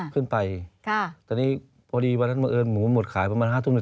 ขึ้นไปค่ะตอนนี้พอดีวันนั้นบังเอิญหมูหมดขายประมาณห้าทุ่มหนึ่ง